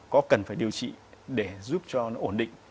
có cần phải điều trị để giúp cho nó ổn định